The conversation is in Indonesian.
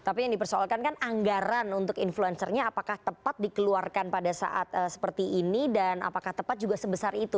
tapi yang dipersoalkan kan anggaran untuk influencernya apakah tepat dikeluarkan pada saat seperti ini dan apakah tepat juga sebesar itu